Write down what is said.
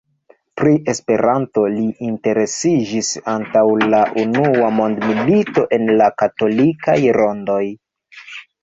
Pri Esperanto li interesiĝis antaŭ la unua mondmilito, en la katolikaj rondoj.